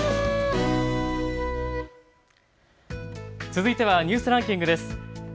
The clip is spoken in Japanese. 続いてはニュースランキングです。